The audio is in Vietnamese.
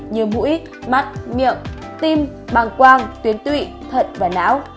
như mũi mắt miệng tim băng quang tuyến tụy thận và não